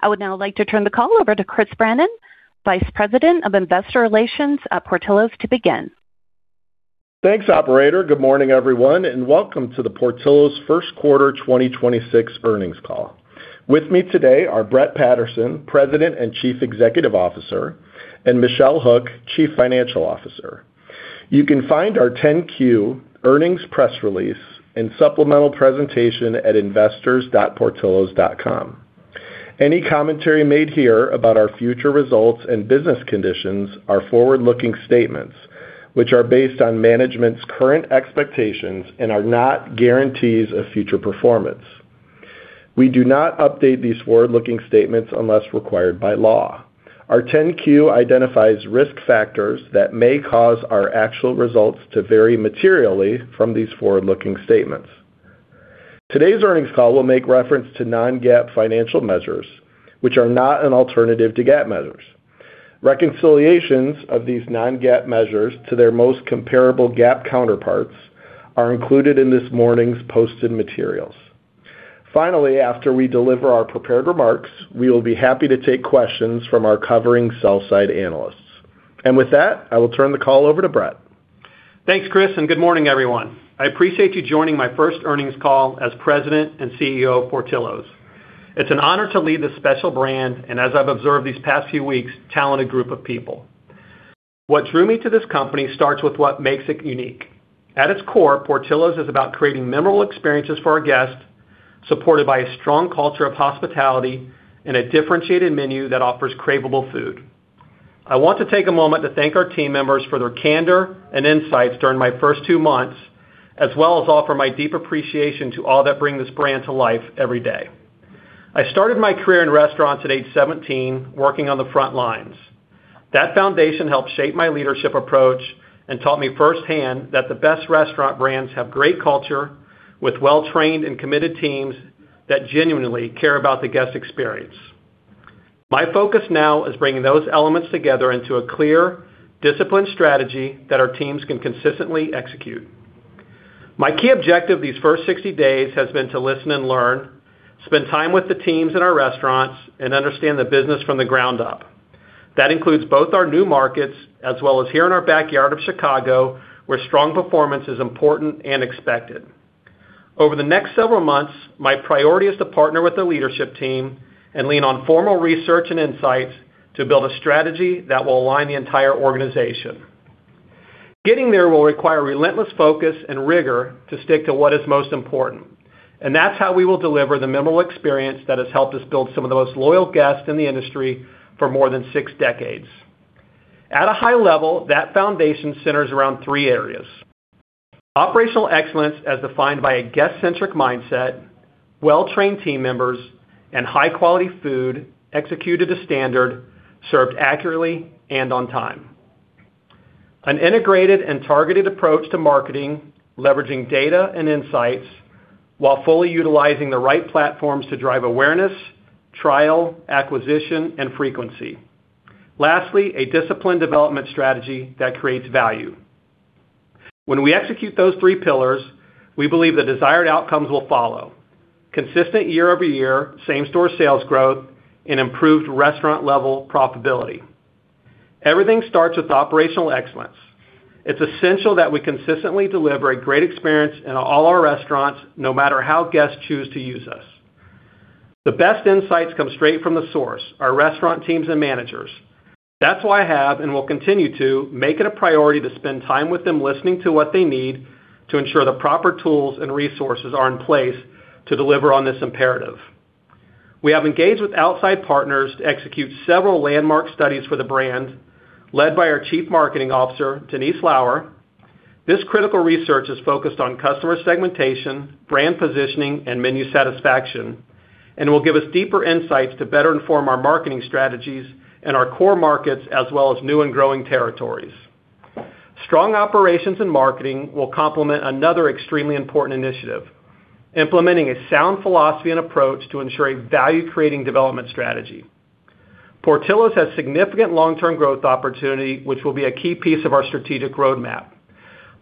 I would now like to turn the call over to Chris Brandon, Vice President of Investor Relations at Portillo's, to begin. Thanks, operator. Good morning, everyone, and welcome to the Portillo's First Quarter 2026 Earnings Call. With me today are Brett Patterson, President and Chief Executive Officer, and Michelle Hook, Chief Financial Officer. You can find our 10-Q earnings press release and supplemental presentation at investors.portillos.com. Any commentary made here about our future results and business conditions are forward-looking statements, which are based on management's current expectations and are not guarantees of future performance. We do not update these forward-looking statements unless required by law. Our 10-Q identifies risk factors that may cause our actual results to vary materially from these forward-looking statements. Today's earnings call will make reference to non-GAAP financial measures, which are not an alternative to GAAP measures. Reconciliations of these non-GAAP measures to their most comparable GAAP counterparts are included in this morning's posted materials. Finally, after we deliver our prepared remarks, we will be happy to take questions from our covering sell side analysts. With that, I will turn the call over to Brett. Thanks, Chris. Good morning, everyone. I appreciate you joining my first earnings call as President and CEO of Portillo's. It's an honor to lead this special brand, and as I've observed these past few weeks, talented group of people. What drew me to this company starts with what makes it unique. At its core, Portillo's is about creating memorable experiences for our guests, supported by a strong culture of hospitality and a differentiated menu that offers craveable food. I want to take a moment to thank our team members for their candor and insights during my first two months, as well as offer my deep appreciation to all that bring this brand to life every day. I started my career in restaurants at age 17, working on the front lines. That foundation helped shape my leadership approach and taught me firsthand that the best restaurant brands have great culture with well-trained and committed teams that genuinely care about the guest experience. My focus now is bringing those elements together into a clear, disciplined strategy that our teams can consistently execute. My key objective these first 60 days has been to listen and learn, spend time with the teams in our restaurants, and understand the business from the ground up. That includes both our new markets as well as here in our backyard of Chicago, where strong performance is important and expected. Over the next several months, my priority is to partner with the leadership team and lean on formal research and insights to build a strategy that will align the entire organization. Getting there will require relentless focus and rigor to stick to what is most important, and that's how we will deliver the memorable experience that has helped us build some of the most loyal guests in the industry for more than six decades. At a high level, that foundation centers around three areas. Operational excellence as defined by a guest-centric mindset, well-trained team members, and high-quality food executed to standard, served accurately and on time. An integrated and targeted approach to marketing, leveraging data and insights while fully utilizing the right platforms to drive awareness, trial, acquisition, and frequency. Lastly, a disciplined development strategy that creates value. When we execute those three pillars, we believe the desired outcomes will follow. Consistent year-over-year, same-restaurant sales growth and improved restaurant-level profitability. Everything starts with operational excellence. It's essential that we consistently deliver a great experience in all our restaurants, no matter how guests choose to use us. The best insights come straight from the source, our restaurant teams and managers. That's why I have and will continue to make it a priority to spend time with them listening to what they need to ensure the proper tools and resources are in place to deliver on this imperative. We have engaged with outside partners to execute several landmark studies for the brand, led by our Chief Marketing Officer, Denise Lauer. This critical research is focused on customer segmentation, brand positioning, and menu satisfaction, and will give us deeper insights to better inform our marketing strategies in our core markets as well as new and growing territories. Strong operations and marketing will complement another extremely important initiative, implementing a sound philosophy and approach to ensure a value-creating development strategy. Portillo's has significant long-term growth opportunity, which will be a key piece of our strategic roadmap,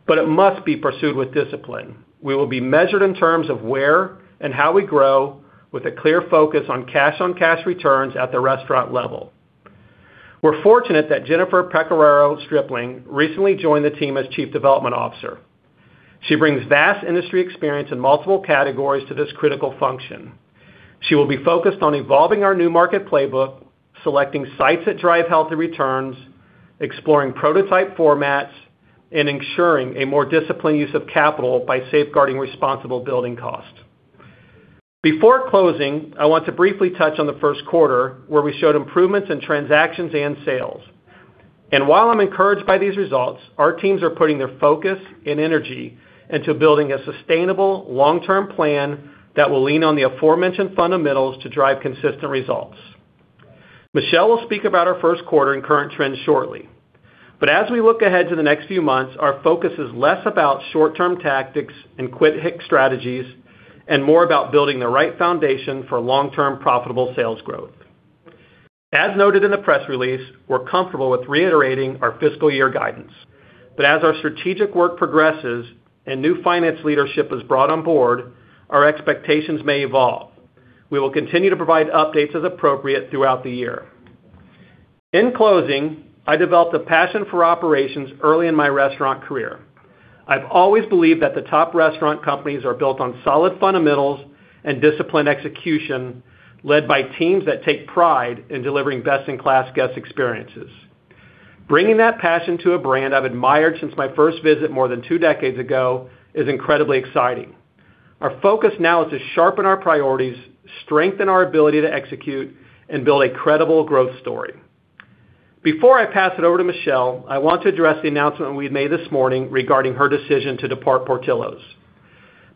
but it must be pursued with discipline. We will be measured in terms of where and how we grow with a clear focus on cash on cash returns at the restaurant level. We're fortunate that Jennifer Pecoraro Stripling recently joined the team as Chief Development Officer. She brings vast industry experience in multiple categories to this critical function. She will be focused on evolving our new market playbook, selecting sites that drive healthy returns, exploring prototype formats, and ensuring a more disciplined use of capital by safeguarding responsible building costs. Before closing, I want to briefly touch on the first quarter, where we showed improvements in transactions and sales. While I'm encouraged by these results, our teams are putting their focus and energy into building a sustainable long-term plan that will lean on the aforementioned fundamentals to drive consistent results. Michelle will speak about our first quarter and current trends shortly. As we look ahead to the next few months, our focus is less about short-term tactics and quick-hit strategies, and more about building the right foundation for long-term profitable sales growth. As noted in the press release, we're comfortable with reiterating our fiscal year guidance. As our strategic work progresses and new finance leadership is brought on board, our expectations may evolve. We will continue to provide updates as appropriate throughout the year. In closing, I developed a passion for operations early in my restaurant career. I've always believed that the top restaurant companies are built on solid fundamentals and disciplined execution, led by teams that take pride in delivering best-in-class guest experiences. Bringing that passion to a brand I've admired since my first visit more than two decades ago is incredibly exciting. Our focus now is to sharpen our priorities, strengthen our ability to execute, and build a credible growth story. Before I pass it over to Michelle, I want to address the announcement we made this morning regarding her decision to depart Portillo's.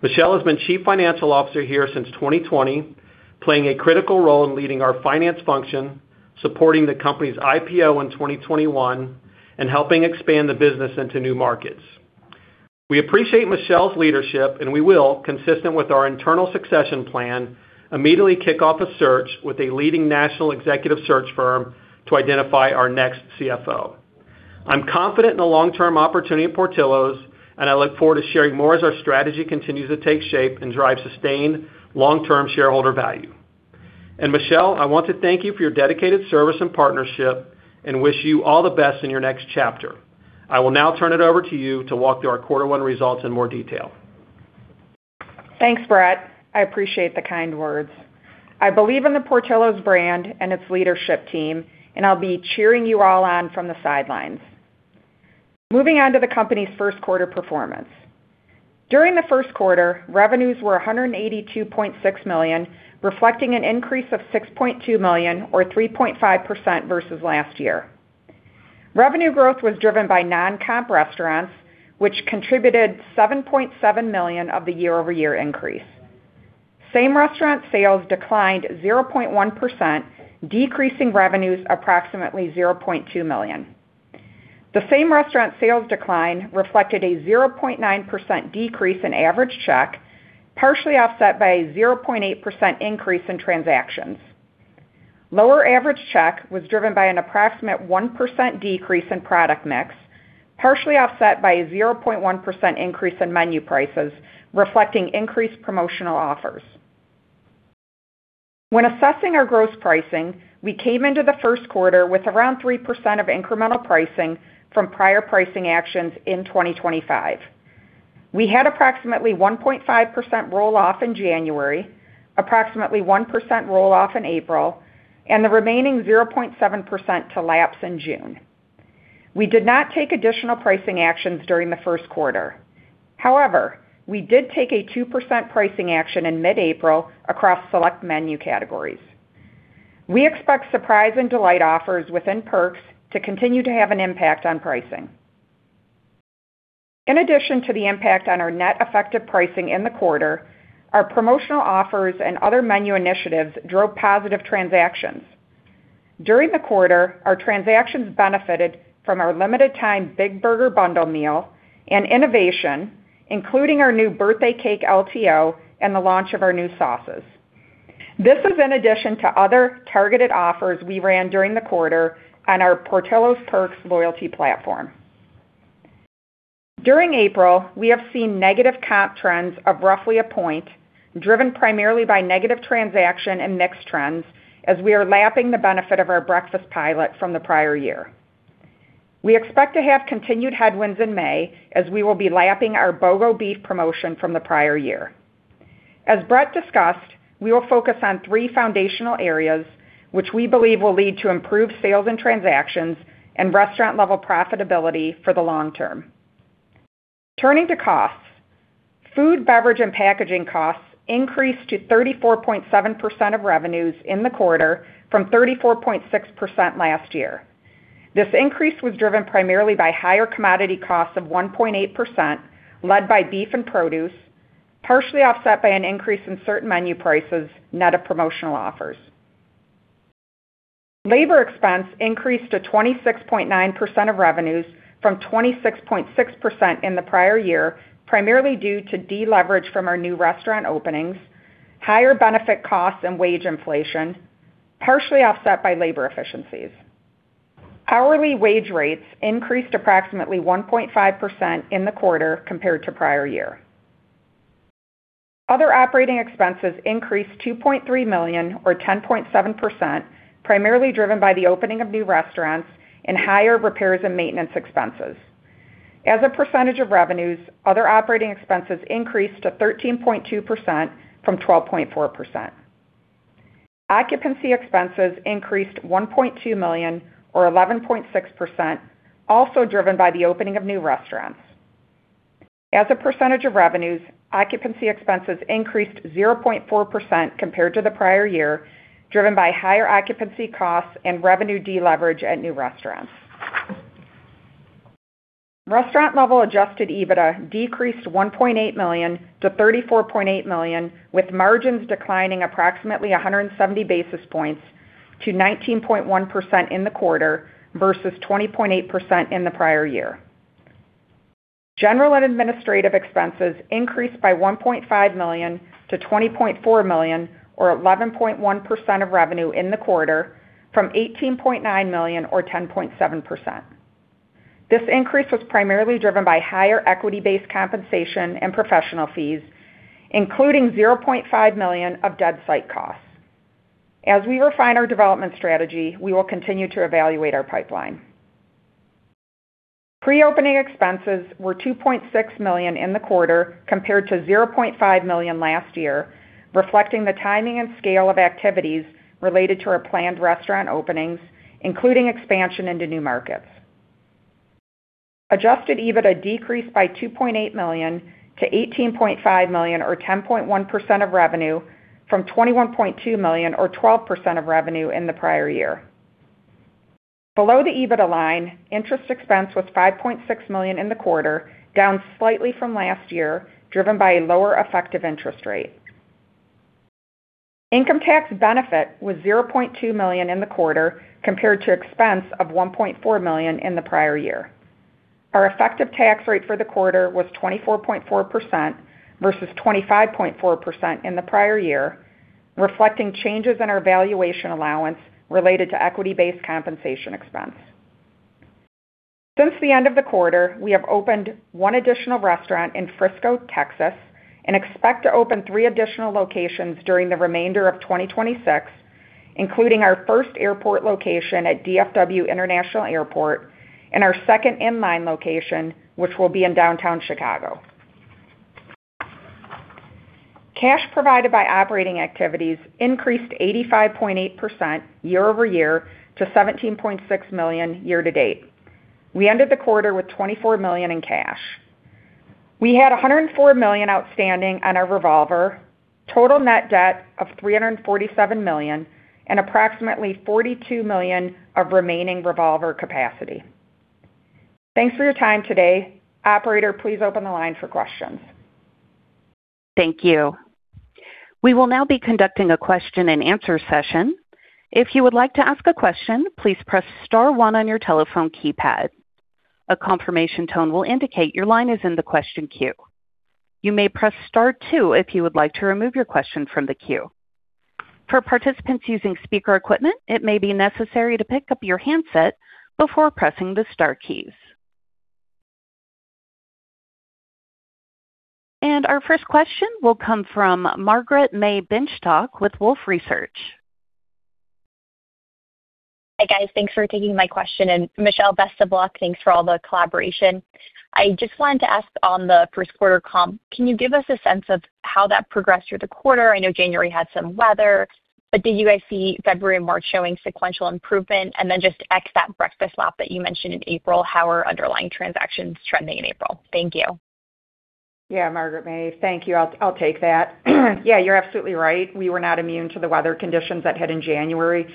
Michelle has been Chief Financial Officer here since 2020, playing a critical role in leading our finance function, supporting the company's IPO in 2021, and helping expand the business into new markets. We appreciate Michelle's leadership. We will, consistent with our internal succession plan, immediately kick off a search with a leading national executive search firm to identify our next CFO. I'm confident in the long-term opportunity at Portillo's. I look forward to sharing more as our strategy continues to take shape and drive sustained long-term shareholder value. Michelle, I want to thank you for your dedicated service and partnership and wish you all the best in your next chapter. I will now turn it over to you to walk through our quarter one results in more detail. Thanks, Brett. I appreciate the kind words. I believe in the Portillo's brand and its leadership team, I'll be cheering you all on from the sidelines. Moving on to the company's first quarter performance. During the first quarter, revenues were $182.6 million, reflecting an increase of $6.2 million or 3.5% versus last year. Revenue growth was driven by non-comp restaurants, which contributed $7.7 million of the year-over-year increase. Same-restaurant sales declined 0.1%, decreasing revenues approximately $0.2 million. The same-restaurant sales decline reflected a 0.9% decrease in average check, partially offset by a 0.8% increase in transactions. Lower average check was driven by an approximate 1% decrease in product mix, partially offset by a 0.1% increase in menu prices, reflecting increased promotional offers. When assessing our gross pricing, we came into the first quarter with around 3% of incremental pricing from prior pricing actions in 2025. We had approximately 1.5% roll off in January, approximately 1% roll off in April, and the remaining 0.7% to lapse in June. We did not take additional pricing actions during the first quarter. However, we did take a 2% pricing action in mid-April across select menu categories. We expect surprise and delight offers within Perks to continue to have an impact on pricing. In addition to the impact on our net effective pricing in the quarter, our promotional offers and other menu initiatives drove positive transactions. During the quarter, our transactions benefited from our limited time Big Burger Bundle meal and innovation, including our new Birthday Cake LTO and the launch of our new sauces. This is in addition to other targeted offers we ran during the quarter on our Portillo's Perks loyalty platform. During April, we have seen negative comp trends of roughly a point, driven primarily by negative transaction and mix trends as we are lapping the benefit of our breakfast pilot from the prior year. We expect to have continued headwinds in May as we will be lapping our BOGO Beef promotion from the prior year. As Brett discussed, we will focus on three foundational areas which we believe will lead to improved sales and transactions and restaurant-level profitability for the long term. Turning to costs, food, beverage, and packaging costs increased to 34.7% of revenues in the quarter from 34.6% last year. This increase was driven primarily by higher commodity costs of 1.8%, led by beef and produce, partially offset by an increase in certain menu prices net of promotional offers. Labor expense increased to 26.9% of revenues from 26.6% in the prior year, primarily due to deleverage from our new restaurant openings, higher benefit costs and wage inflation, partially offset by labor efficiencies. Hourly wage rates increased approximately 1.5% in the quarter compared to prior year. Other operating expenses increased $2.3 million or 10.7%, primarily driven by the opening of new restaurants and higher repairs and maintenance expenses. As a percentage of revenues, other operating expenses increased to 13.2% from 12.4%. Occupancy expenses increased $1.2 million or 11.6%, also driven by the opening of new restaurants. As a percentage of revenues, occupancy expenses increased 0.4% compared to the prior year, driven by higher occupancy costs and revenue deleverage at new restaurants. Restaurant-level adjusted EBITDA decreased $1.8 million-$34.8 million, with margins declining approximately 170 basis points to 19.1% in the quarter versus 20.8% in the prior year. General and administrative expenses increased by $1.5 million -$20.4 million or 11.1% of revenue in the quarter from $18.9 million or 10.7%. This increase was primarily driven by higher equity-based compensation and professional fees, including $0.5 million of dead site costs. As we refine our development strategy, we will continue to evaluate our pipeline. Pre-opening expenses were $2.6 million in the quarter compared to $0.5 million last year, reflecting the timing and scale of activities related to our planned restaurant openings, including expansion into new markets. Adjusted EBITDA decreased by $2.8 million to $18.5 million or 10.1% of revenue from $21.2 million or 12% of revenue in the prior year. Below the EBITDA line, interest expense was $5.6 million in the quarter, down slightly from last year, driven by a lower effective interest rate. Income tax benefit was $0.2 million in the quarter compared to expense of $1.4 million in the prior year. Our effective tax rate for the quarter was 24.4% versus 25.4% in the prior year, reflecting changes in our valuation allowance related to equity-based compensation expense. Since the end of the quarter, we have opened one additional restaurant in Frisco, Texas, and expect to open three additional locations during the remainder of 2026, including our first airport location at DFW International Airport and our second in-line location, which will be in downtown Chicago. Cash provided by operating activities increased 85.8% year-over-year to $17.6 million year-to-date. We ended the quarter with $24 million in cash. We had $104 million outstanding on our revolver, total net debt of $347 million and approximately $42 million of remaining revolver capacity. Thanks for your time today. Operator, please open the line for questions. Thank you. We will now be conducting a question-and-answer session. If you would like to ask a question, please press star one on your telephone keypad. A confirmation tone will indicate your line is in the question queue. You may press star two if you would like to remove your question from the queue. For participants using speaker equipment, it may be necessary to pick up your handset before pressing the star keys. Our first question will come from Margaret May with Wolfe Research. Hi, guys. Thanks for taking my question. Michelle, best of luck. Thanks for all the collaboration. I just wanted to ask on the first quarter comp, can you give us a sense of how that progressed through the quarter? I know January had some weather. Did you guys see February and March showing sequential improvement? Just ex-that breakfast lap that you mentioned in April, how are underlying transactions trending in April? Thank you. Yeah, Margaret May. Thank you. I'll take that. Yeah, you're absolutely right. We were not immune to the weather conditions that hit in January,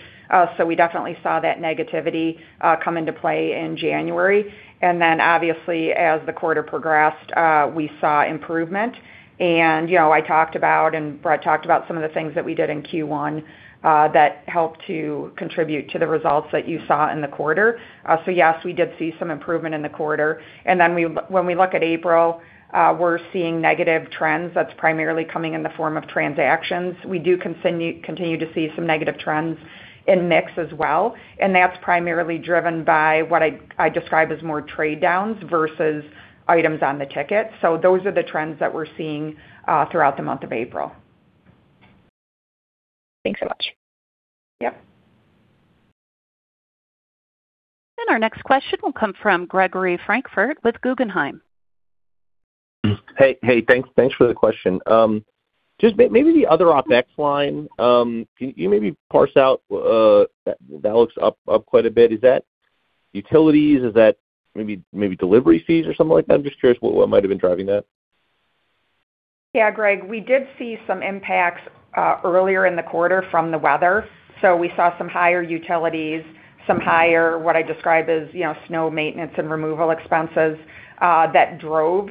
so we definitely saw that negativity come into play in January. Then obviously as the quarter progressed, we saw improvement. You know, I talked about and Brett talked about some of the things that we did in Q1 that helped to contribute to the results that you saw in the quarter. Yes, we did see some improvement in the quarter. Then when we look at April, we're seeing negative trends that's primarily coming in the form of transactions. We do continue to see some negative trends in mix as well, and that's primarily driven by what I describe as more trade downs versus items on the ticket. Those are the trends that we're seeing throughout the month of April. Thanks so much. Yep. Our next question will come from Gregory Francfort with Guggenheim. Hey, thanks for the question. Just maybe the other OpEx line, can you maybe parse out, that looks up quite a bit. Is that utilities? Is that maybe delivery fees or something like that? I'm just curious what might have been driving that. Greg, we did see some impacts earlier in the quarter from the weather. We saw some higher utilities, some higher, what I describe as, you know, snow maintenance and removal expenses, that drove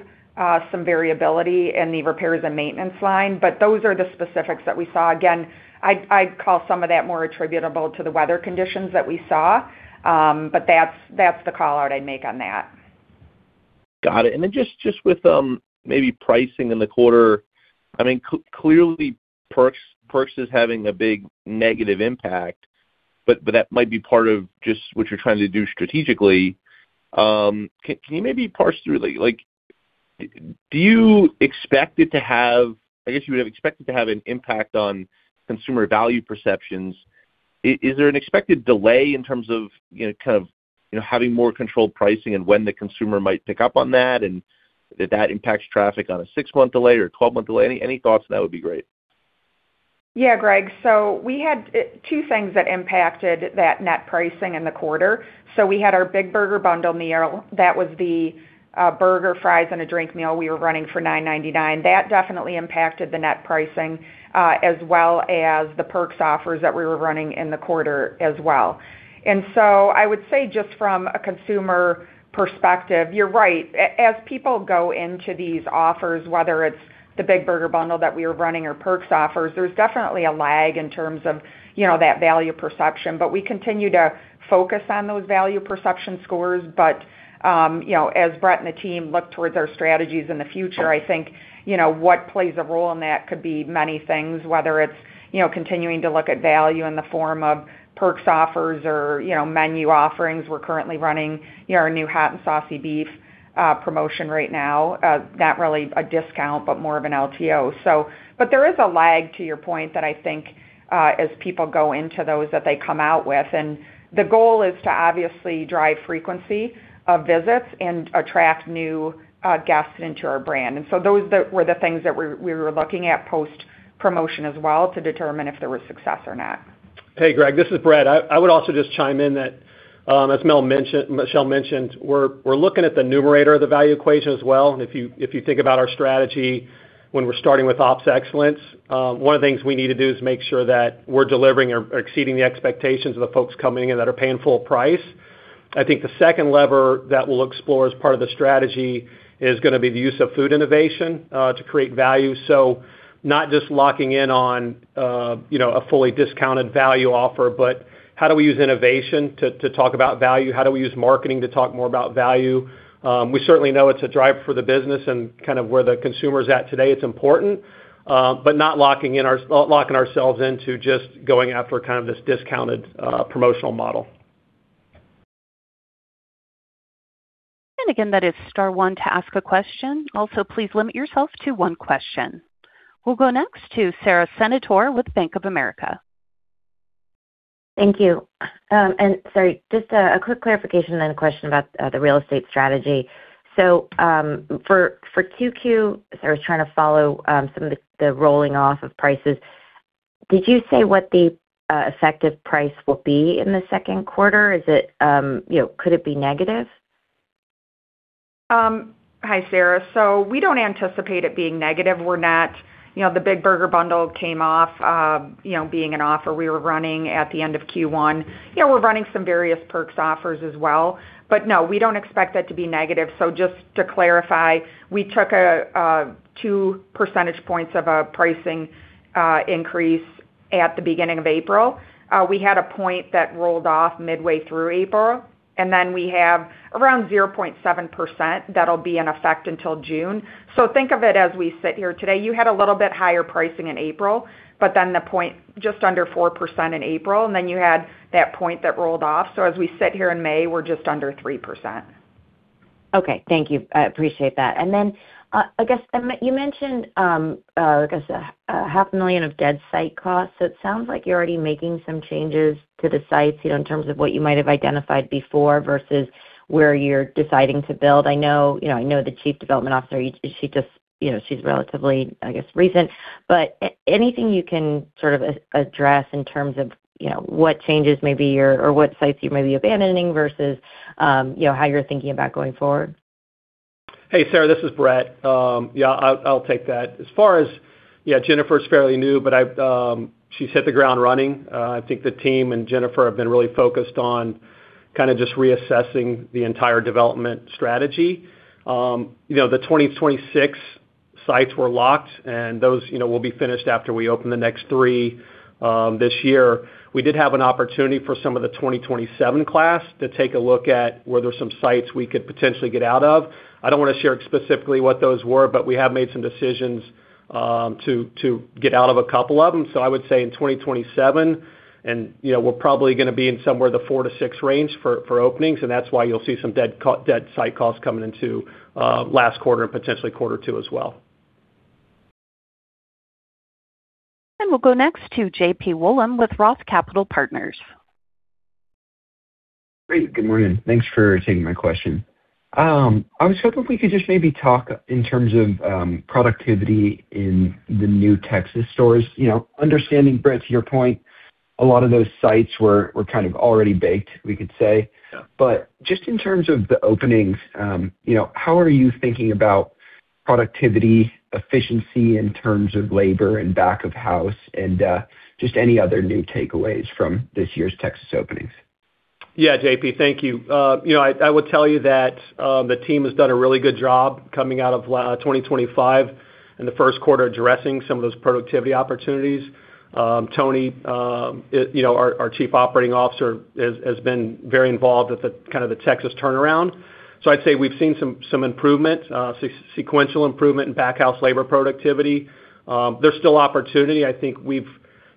some variability in the repairs and maintenance line. Those are the specifics that we saw. Again, I'd call some of that more attributable to the weather conditions that we saw. That's the call out I'd make on that. Got it. Then just with maybe pricing in the quarter, I mean, clearly Perks is having a big negative impact, but that might be part of just what you're trying to do strategically. Can you maybe parse through, like, I guess you would have expected to have an impact on consumer value perceptions. Is there an expected delay in terms of, you know, kind of, you know, having more controlled pricing and when the consumer might pick up on that, and if that impacts traffic on a six-month delay or a 12-month delay? Any thoughts on that would be great. Yeah, Greg. We had two things that impacted that net pricing in the quarter. We had our Big Burger Bundle meal. That was the burger, fries, and a drink meal we were running for $9.99. That definitely impacted the net pricing, as well as the Perks offers that we were running in the quarter as well. I would say just from a consumer perspective, you're right. As people go into these offers, whether it's the Big Burger Bundle that we were running or Perks offers, there's definitely a lag in terms of, you know, that value perception. We continue to focus on those value perception scores. You know, as Brett and the team look towards our strategies in the future, I think, you know, what plays a role in that could be many things, whether it's, you know, continuing to look at value in the form of Perks offers or, you know, menu offerings. We're currently running, you know, our new Hot and Saucy Beef promotion right now. Not really a discount, but more of an LTO. There is a lag to your point that I think, as people go into those that they come out with. The goal is to obviously drive frequency of visits and attract new guests into our brand. Those were the things that we were looking at post-promotion as well to determine if there was success or not. Hey, Greg, this is Brett. I would also just chime in that as Michelle mentioned, we're looking at the numerator of the value equation as well. If you think about our strategy when we're starting with ops excellence, one of the things we need to do is make sure that we're delivering or exceeding the expectations of the folks coming in that are paying full price. I think the second lever that we'll explore as part of the strategy is gonna be the use of food innovation to create value. Not just locking in on, you know, a fully discounted value offer, but how do we use innovation to talk about value? How do we use marketing to talk more about value? We certainly know it's a drive for the business and kind of where the consumer's at today, it's important. Not locking ourselves into just going after kind of this discounted promotional model. Again, that is star one to ask a question. Also, please limit yourself to one question. We'll go next to Sara Senatore with Bank of America. Thank you. Sorry, just a quick clarification then a question about the real estate strategy. For Q2, Sara's trying to follow some of the rolling off of prices. Did you say what the effective price will be in the second quarter? Is it, you know, could it be negative? Hi, Sara. We don't anticipate it being negative. We're not, you know, the Big Burger Bundle came off, you know, being an offer we were running at the end of Q1. You know, we're running some various Perks offers as well, we don't expect that to be negative. Just to clarify, we took a two percentage points of a pricing increase at the beginning of April. We had a point that rolled off midway through April, we have around 0.7% that'll be in effect until June. Think of it as we sit here today. You had a little bit higher pricing in April, the point just under 4% in April, you had that point that rolled off. As we sit here in May, we're just under 3%. Okay, thank you. I appreciate that. Then, I guess, you mentioned, I guess, half a million of dead site costs. It sounds like you're already making some changes to the sites, you know, in terms of what you might have identified before versus where you're deciding to build. I know, you know, I know the Chief Development Officer, she just, you know, she's relatively, I guess, recent. Anything you can sort of address in terms of, you know, what changes maybe you're or what sites you may be abandoning versus, you know, how you're thinking about going forward. Hey, Sara, this is Brett. Yeah, I'll take that. As far as, yeah, Jennifer is fairly new, but I've, she's hit the ground running. I think the team and Jennifer have been really focused on kinda just reassessing the entire development strategy. You know, the 2026 sites were locked, and those, you know, will be finished after we open the next three this year. We did have an opportunity for some of the 2027 class to take a look at whether some sites we could potentially get out of. I don't wanna share specifically what those were, but we have made some decisions to get out of a couple of them. I would say in 2027, and, you know, we're probably gonna be in somewhere the four to six range for openings, and that's why you'll see some dead site costs coming into last quarter and potentially Q2 as well. We'll go next to JP Wollam with ROTH Capital Partners. Great. Good morning. Thanks for taking my question. I was hoping if we could just maybe talk in terms of productivity in the new Texas stores. You know, understanding, Brett, to your point, a lot of those sites were kind of already baked, we could say. Yeah. Just in terms of the openings, you know, how are you thinking about productivity, efficiency in terms of labor and back of house, and just any other new takeaways from this year's Texas openings? Yeah, JP, thank you. You know, I would tell you that the team has done a really good job coming out of 2025 in the first quarter addressing some of those productivity opportunities. Tony, you know, our Chief Operating Officer has been very involved with the kind of the Texas turnaround. I'd say we've seen some improvement, sequential improvement in back house labor productivity. There's still opportunity. I think we've,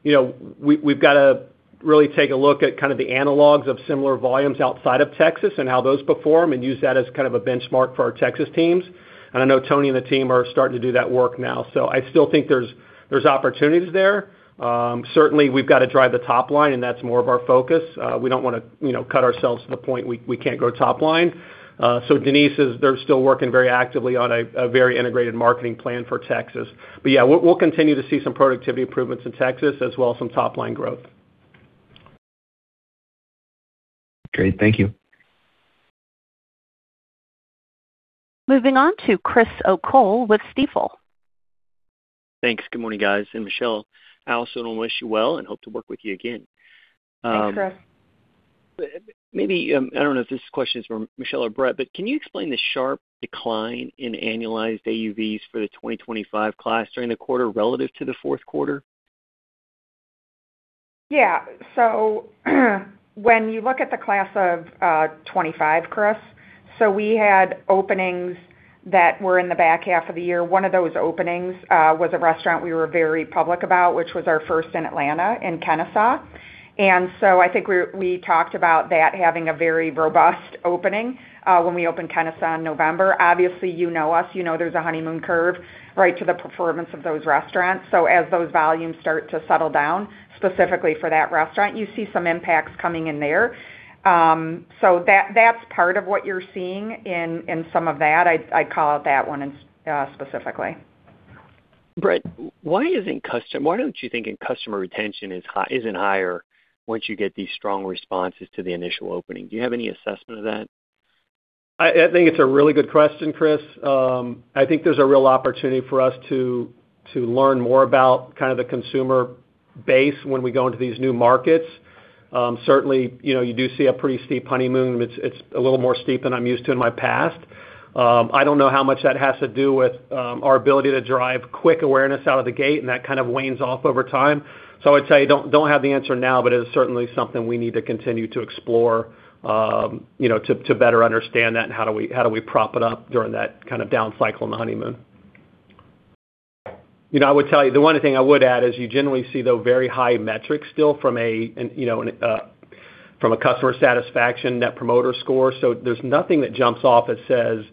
you know, we've gotta really take a look at kind of the analogs of similar volumes outside of Texas and how those perform and use that as kind of a benchmark for our Texas teams. I know Tony and the team are starting to do that work now. I still think there's opportunities there. Certainly, we've got to drive the top line. That's more of our focus. We don't wanna, you know, cut ourselves to the point we can't grow top line. Denise is still working very actively on a very integrated marketing plan for Texas. We'll continue to see some productivity improvements in Texas as well as some top-line growth. Great. Thank you. Moving on to Chris O'Cull with Stifel. Thanks. Good morning, guys. Michelle, Allison will wish you well and hope to work with you again. Thanks, Chris. Maybe, I don't know if this question is for Michelle or Brett, but can you explain the sharp decline in annualized AUVs for the 2025 class during the quarter relative to the fourth quarter? When you look at the class of 25, Chris, we had openings that were in the back half of the year. One of those openings was a restaurant we were very public about, which was our first in Atlanta in Kennesaw. I think we talked about that having a very robust opening when we opened Kennesaw in November. Obviously, you know us, you know there's a honeymoon curve right to the performance of those restaurants. As those volumes start to settle down, specifically for that restaurant, you see some impacts coming in there. That, that's part of what you're seeing in some of that. I'd call out that one specifically. Brett, why don't you think customer retention isn't higher once you get these strong responses to the initial opening? Do you have any assessment of that? I think it's a really good question, Chris. I think there's a real opportunity for us to learn more about kind of the consumer base when we go into these new markets. Certainly, you know, you do see a pretty steep honeymoon. It's a little more steep than I'm used to in my past. I don't know how much that has to do with our ability to drive quick awareness out of the gate, and that kind of wanes off over time. I'd say don't have the answer now, but it is certainly something we need to continue to explore, you know, to better understand that and how do we prop it up during that kind of down cycle in the honeymoon. You know, I would tell you, the one thing I would add is you generally see, though, very high metrics still from a, you know, from a customer satisfaction Net Promoter Score. There's nothing that jumps off that says,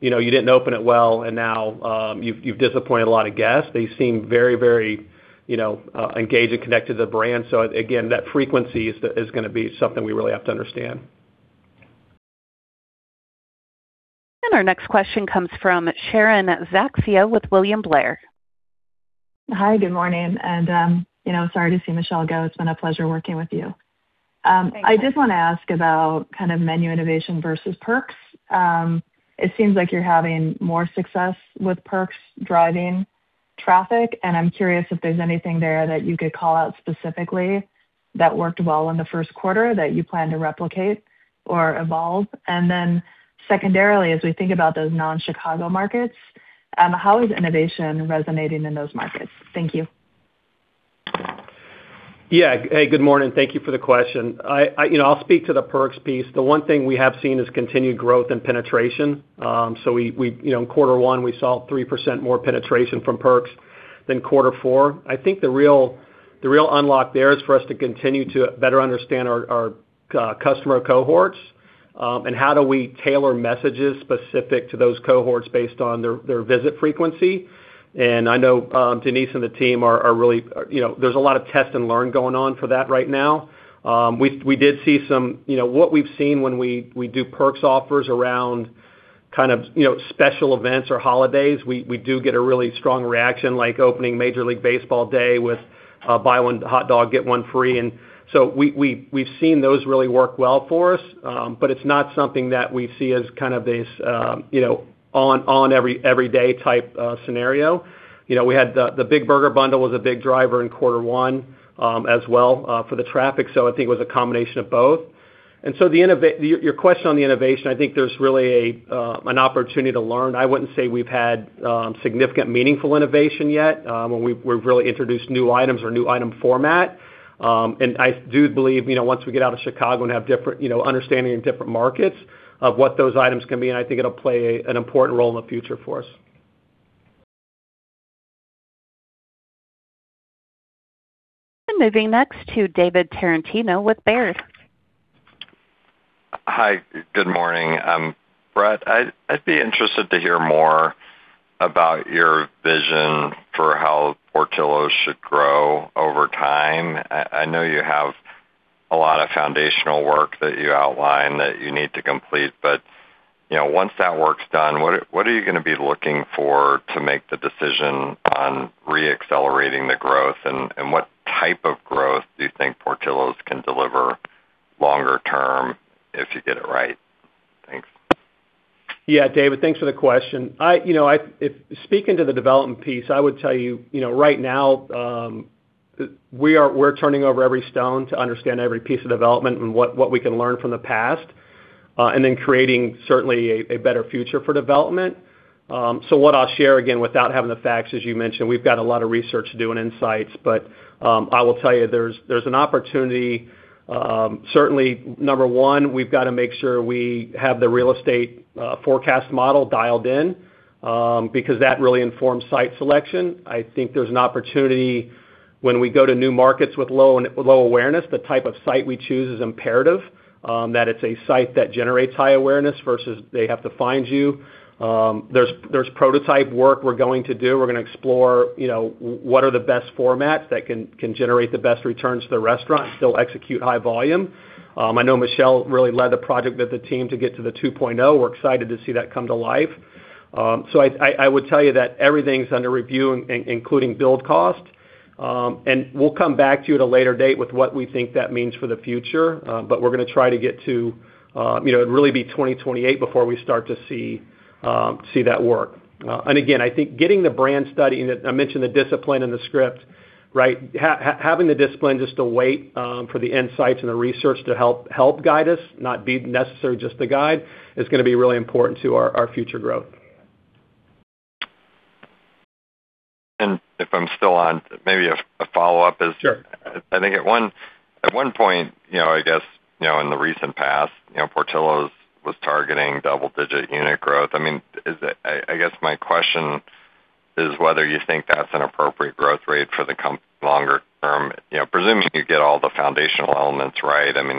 you know, you didn't open it well and now, you've disappointed a lot of guests. They seem very, very, you know, engaged and connected to the brand. Again, that frequency is gonna be something we really have to understand. Our next question comes from Sharon Zackfia with William Blair. Hi, good morning. You know, sorry to see Michelle go. It's been a pleasure working with you. Thanks, Sharon. I did wanna ask about kind of menu innovation versus Perks. It seems like you're having more success with Perks driving traffic, and I'm curious if there's anything there that you could call out specifically that worked well in the first quarter that you plan to replicate or evolve. Secondarily, as we think about those non-Chicago markets, how is innovation resonating in those markets? Thank you. Yeah. Hey, good morning. Thank you for the question. You know, I'll speak to the Perks piece. The one thing we have seen is continued growth and penetration. We, you know, in Q1, we saw 3% more penetration from Perks than Q4. I think the real unlock there is for us to continue to better understand our customer cohorts and how do we tailor messages specific to those cohorts based on their visit frequency. I know Denise and the team really You know, there's a lot of test and learn going on for that right now. We did see some You know, what we've seen when we do Perks offers around kind of, you know, special events or holidays, we do get a really strong reaction, like opening Major League Baseball day with, buy one hot dog, get one free. We've seen those really work well for us. But it's not something that we see as kind of this, you know, on every day type scenario. You know, we had the Big Burger Bundle was a big driver in quarter one, as well, for the traffic. I think it was a combination of both. Your question on the innovation, I think there's really an opportunity to learn. I wouldn't say we've had significant, meaningful innovation yet, when we've really introduced new items or new item format. I do believe, you know, once we get out of Chicago and have different, you know, understanding in different markets of what those items can be, and I think it'll play an important role in the future for us. Moving next to David Tarantino with Baird. Hi, good morning. Brett, I'd be interested to hear more about your vision for how Portillo's should grow over time. I know you have a lot of foundational work that you outlined that you need to complete, but, you know, once that work's done, what are you gonna be looking for to make the decision on re-accelerating the growth? What type of growth do you think Portillo's can deliver longer term if you get it right? Thanks. Yeah, David, thanks for the question. I, you know, speaking to the development piece, I would tell you know, right now, we're turning over every stone to understand every piece of development and what we can learn from the past, and then creating certainly a better future for development. What I'll share, again, without having the facts, as you mentioned, we've got a lot of research to do and insights, but I will tell you there's an opportunity. Certainly, number one, we've got to make sure we have the real estate forecast model dialed in, because that really informs site selection. I think there's an opportunity when we go to new markets with low, low awareness, the type of site we choose is imperative that it's a site that generates high awareness versus they have to find you. There's prototype work we're going to do. We're going to explore, you know, what are the best formats that can generate the best returns to the restaurant and still execute high volume. I know Michelle really led the project with the team to get to the 2.0. We're excited to see that come to life. So I would tell you that everything's under review including build cost. We'll come back to you at a later date with what we think that means for the future. We're gonna try to get to, you know, it'd really be 2028 before we start to see that work. Again, I think getting the brand study, and I mentioned the discipline and the script, right? Having the discipline just to wait, for the insights and the research to help guide us, not be necessary just to guide, is gonna be really important to our future growth. If I'm still on, maybe a follow-up. Sure. I think at one point, you know, I guess, you know, in the recent past, you know, Portillo's was targeting double-digit unit growth. I mean, I guess my question is whether you think that's an appropriate growth rate for the comp longer term, you know, presuming you get all the foundational elements right. I mean,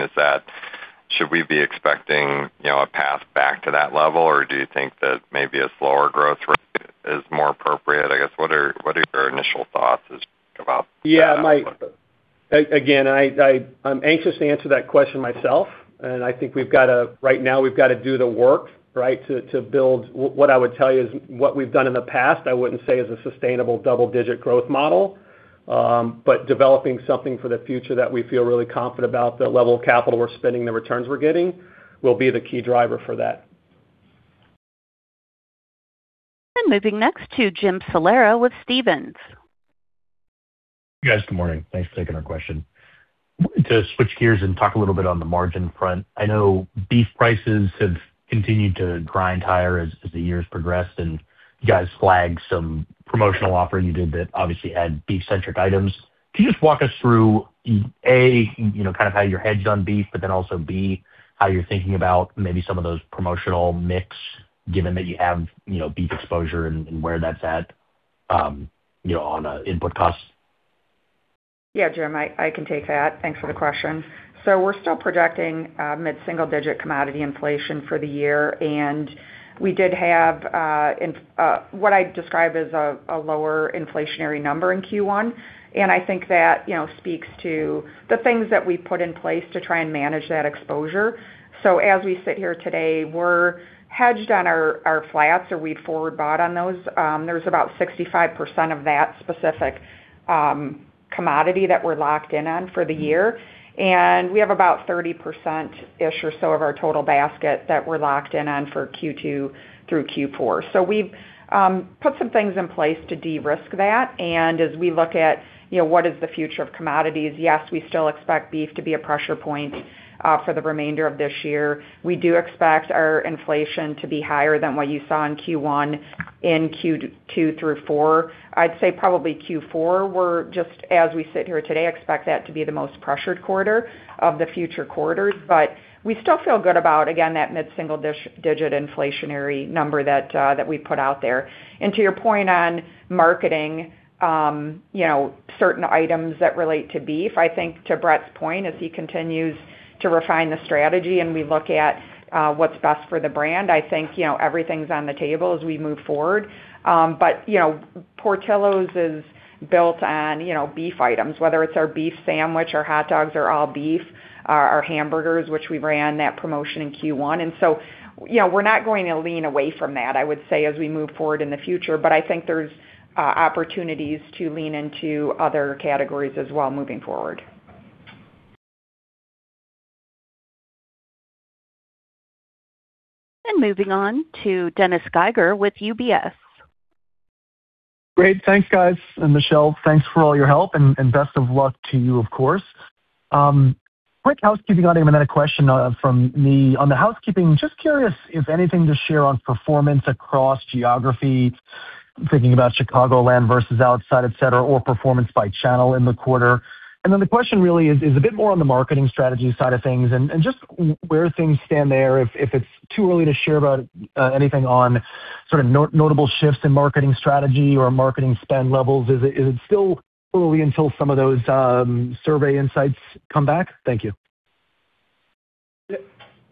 should we be expecting, you know, a path back to that level? Do you think that maybe a slower growth rate is more appropriate? I guess, what are your initial thoughts as you think about that outlook? Yeah, again, I'm anxious to answer that question myself, and I think we've gotta right now, we've gotta do the work, right? To build. What I would tell you is what we've done in the past, I wouldn't say is a sustainable double-digit growth model. Developing something for the future that we feel really confident about, the level of capital we're spending, the returns we're getting, will be the key driver for that. Moving next to Jim Salera with Stephens. Yes, good morning. Thanks for taking our question. To switch gears and talk a little bit on the margin front, I know beef prices have continued to grind higher as the years progressed, and you guys flagged some promotional offering you did that obviously had beef-centric items. Can you just walk us through, A, you know, kind of how you're hedged on beef, but then also, B, how you're thinking about maybe some of those promotional mix given that you have, you know, beef exposure and where that's at, you know, on input costs? Yeah, Jim, I can take that. Thanks for the question. We're still projecting mid-single-digit commodity inflation for the year, and we did have what I'd describe as a lower inflationary number in Q1. I think that, you know, speaks to the things that we put in place to try and manage that exposure. As we sit here today, we're hedged on our flats or we forward bought on those. There's about 65% of that specific commodity that we're locked in on for the year. We have about 30%-ish or so of our total basket that we're locked in on for Q2 through Q4. We've put some things in place to de-risk that. As we look at, you know, what is the future of commodities, yes, we still expect beef to be a pressure point for the remainder of this year. We do expect our inflation to be higher than what you saw in Q1, in Q2 through four. I'd say probably Q4, we're just, as we sit here today, expect that to be the most pressured quarter of the future quarters. We still feel good about, again, that mid-single digit inflationary number that we put out there. To your point on marketing, you know, certain items that relate to beef, I think to Brett's point, as he continues to refine the strategy and we look at what's best for the brand, I think, you know, everything's on the table as we move forward. Portillo's is built on, you know, beef items, whether it's our beef sandwich, our hot dogs are all beef, our hamburgers, which we ran that promotion in Q1. you know, we're not going to lean away from that, I would say, as we move forward in the future. I think there's opportunities to lean into other categories as well moving forward. Moving on to Dennis Geiger with UBS. Great. Thanks, guys. Michelle, thanks for all your help and best of luck to you, of course. Quick housekeeping item and then a question from me. On the housekeeping, just curious if anything to share on performance across geographies. I'm thinking about Chicagoland versus outside, et cetera, or performance by channel in the quarter. Then the question really is a bit more on the marketing strategy side of things and just where things stand there, if it's too early to share about anything on sort of notable shifts in marketing strategy or marketing spend levels. Is it still early until some of those survey insights come back? Thank you.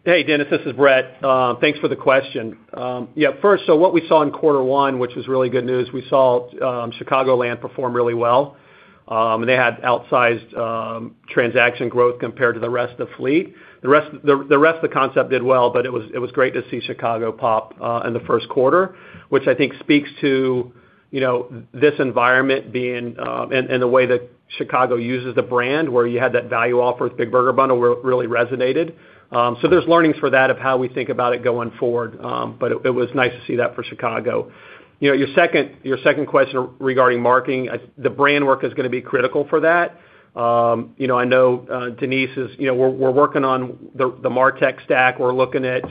Hey, Dennis. This is Brett. Thanks for the question. First, what we saw in quarter one, which was really good news, we saw Chicagoland perform really well. They had outsized transaction growth compared to the rest of the fleet. The rest of the concept did well, but it was great to see Chicago pop in the first quarter, which I think speaks to, you know, this environment being, and the way that Chicago uses the brand, where you had that value offer with Big Burger Bundle really resonated. There's learnings for that of how we think about it going forward. It was nice to see that for Chicago. You know, your second question regarding marketing, I think the brand work is gonna be critical for that. you know, I know Denise is, you know, we're working on the MarTech stack. We're looking at,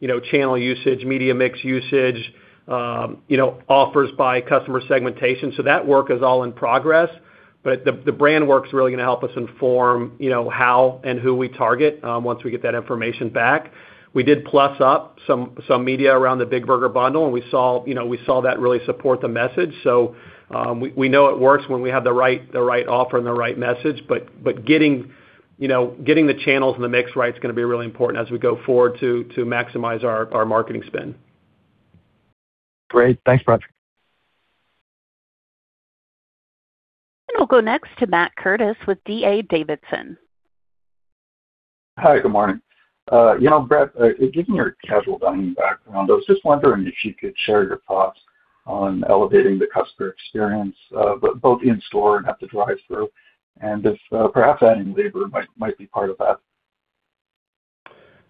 you know, channel usage, media mix usage, you know, offers by customer segmentation. That work is all in progress. The brand work's really gonna help us inform, you know, how and who we target, once we get that information back. We did plus up some media around the Big Burger Bundle, and we saw, you know, we saw that really support the message. We know it works when we have the right offer and the right message. Getting, you know, getting the channels and the mix right is gonna be really important as we go forward to maximize our marketing spend. Great. Thanks, Brett. We'll go next to Matt Curtis with D.A. Davidson. Hi, good morning. You know, Brett, given your casual dining background, I was just wondering if you could share your thoughts on elevating the customer experience, both in store and at the drive-thru, and if perhaps adding labor might be part of that.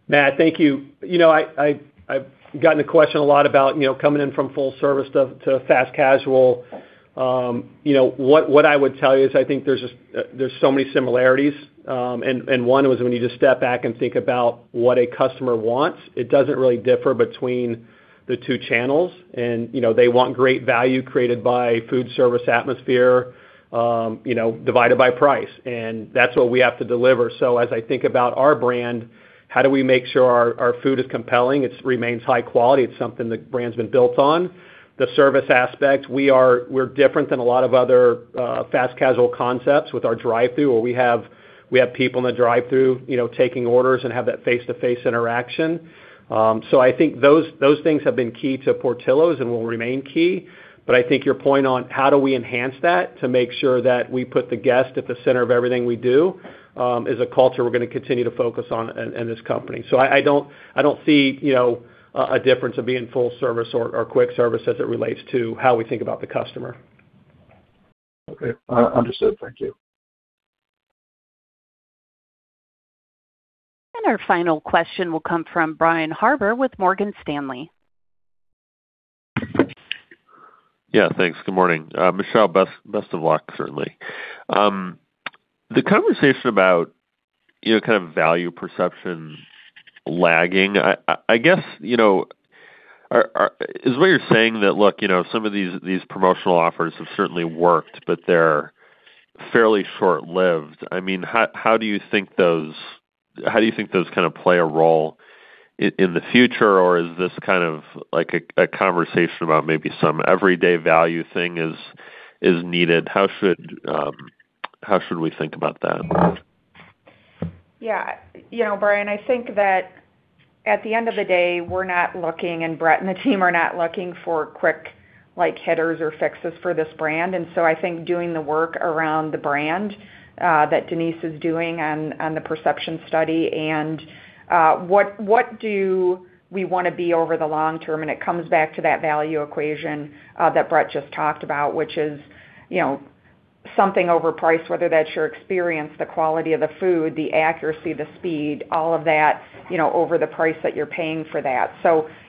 Matt, thank you. You know, I've gotten the question a lot about, you know, coming in from full service to fast casual. You know, what I would tell you is I think there's so many similarities. One was when you just step back and think about what a customer wants, it doesn't really differ between the two channels. You know, they want great value created by food service atmosphere, you know, divided by price, and that's what we have to deliver. As I think about our brand, how do we make sure our food is compelling? It remains high quality. It's something the brand's been built on. The service aspect, we're different than a lot of other fast casual concepts with our drive-through, where we have people in the drive-through, you know, taking orders and have that face-to-face interaction. I think those things have been key to Portillo's and will remain key. I think your point on how do we enhance that to make sure that we put the guest at the center of everything we do, is a culture we're going to continue to focus on in this company. I don't see, you know, a difference of being full service or quick service as it relates to how we think about the customer. Okay. Understood. Thank you. Our final question will come from Brian Harbour with Morgan Stanley. Yeah, thanks. Good morning. Michelle, best of luck, certainly. The conversation about, you know, kind of value perception lagging, I guess, you know, Is what you're saying that, look, you know, some of these promotional offers have certainly worked, but they're fairly short-lived? I mean, how do you think those kind of play a role in the future, or is this kind of like a conversation about maybe some everyday value thing is needed? How should we think about that? Yeah. You know, Brian, I think that at the end of the day, we're not looking, and Brett and the team are not looking for quick like hitters or fixes for this brand. I think doing the work around the brand, that Denise is doing on the perception study and, what do we wanna be over the long term, it comes back to that value equation, that Brett just talked about, which is, you know, something over price, whether that's your experience, the quality of the food, the accuracy, the speed, all of that, you know, over the price that you're paying for that.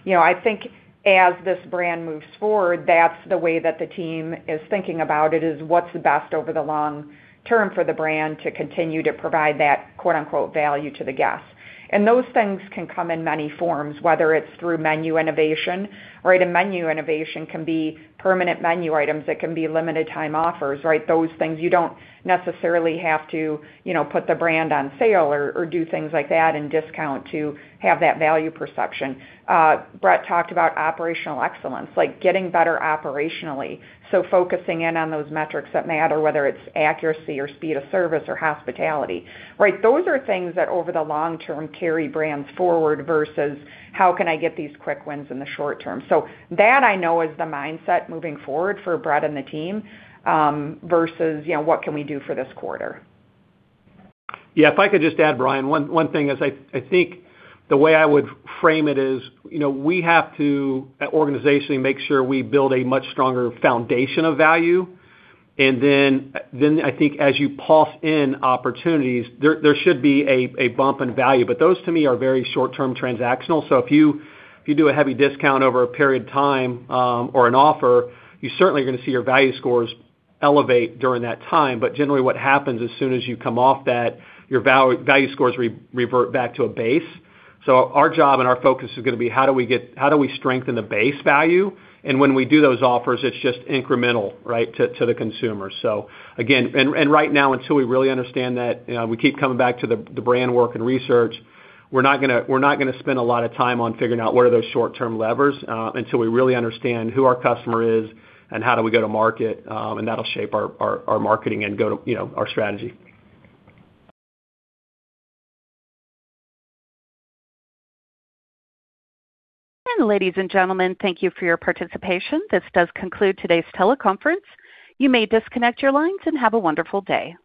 You know, I think as this brand moves forward, that's the way that the team is thinking about it, is what's the best over the long term for the brand to continue to provide that quote-unquote value to the guest. Those things can come in many forms, whether it's through menu innovation, right? Menu innovation can be permanent menu items, it can be limited time offers, right? Those things you don't necessarily have to, you know, put the brand on sale or do things like that and discount to have that value perception. Brett talked about operational excellence, like getting better operationally. Focusing in on those metrics that matter, whether it's accuracy or speed of service or hospitality, right? Those are things that over the long term carry brands forward versus how can I get these quick wins in the short term. That I know is the mindset moving forward for Brett and the team, versus, you know, what can we do for this quarter. Yeah, if I could just add, Brian, one thing is I think the way I would frame it is, you know, we have to organizationally make sure we build a much stronger foundation of value, then I think as you pulse in opportunities, there should be a bump in value. Those to me are very short term transactional. If you do a heavy discount over a period of time, or an offer, you're certainly gonna see your value scores elevate during that time. Generally, what happens as soon as you come off that, your value scores revert back to a base. Our job and our focus is gonna be how do we strengthen the base value? When we do those offers, it's just incremental, right, to the consumer. Again, and right now, until we really understand that, we keep coming back to the brand work and research, we're not gonna spend a lot of time on figuring out what are those short-term levers, until we really understand who our customer is and how do we go to market, and that'll shape our marketing and go to, you know, our strategy. Ladies and gentlemen, thank you for your participation. This does conclude today's teleconference. You may disconnect your lines and have a wonderful day.